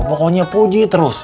pokoknya puji terus